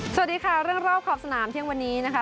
สวัสดีค่ะเรื่องรอบขอบสนามเที่ยงวันนี้นะคะ